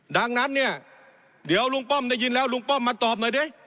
ดังนั้นเนี่ยเดี๋ยวลุงป้อมได้ยินแล้วลุงป้อมมาตอบหน่อยดิ